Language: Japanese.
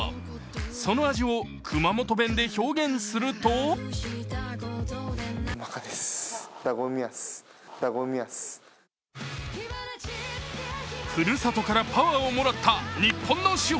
その味を熊本弁で表現するとふるさとからパワーをもらった日本の主砲。